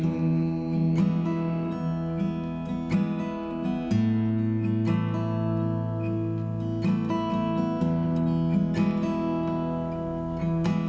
สร้างสรรค์ชีวิตซ่อนสร้างความคิด